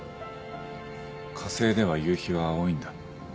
火星では夕日は青いんだ。